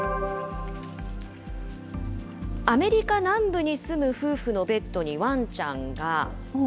アメリカ南部に住む夫婦のベッドにワンちゃんが。